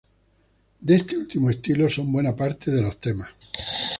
De este último estilo son buena parte de los temas.